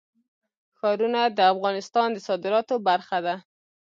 ښارونه د افغانستان د صادراتو برخه ده.